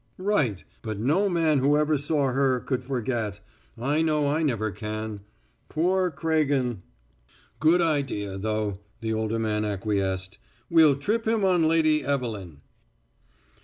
"Right; but no man who ever saw her could forget. I know I never can. Poor Craigen!" "Good idea, though," the older man acquiesced. "We'll trip him on Lady Evelyn."